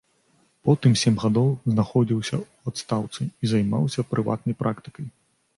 Потым сем гадоў знаходзіўся ў адстаўцы і займаўся прыватнай практыкай.